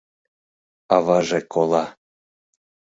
Аваже кола.